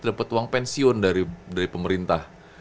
dapat uang pensiun dari pemerintah